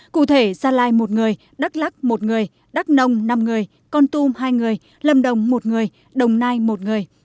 cụ thể gia lai một người đắk lắc một người đắk nông năm người con tum hai người lâm đồng một người đồng nai một người